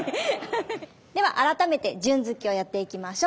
では改めて順突きをやっていきましょう。